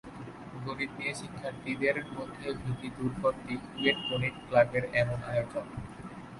গণিত নিয়ে শিক্ষার্থীদের মধ্যে ভীতি দূর করতেই কুয়েট গণিত ক্লাবের এমন আয়োজন।